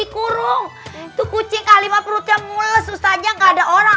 kucing kahlimah perutnya mulus susah aja gak ada orang